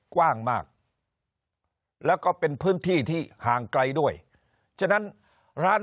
กว้างมากแล้วก็เป็นพื้นที่ที่ห่างไกลด้วยฉะนั้นร้าน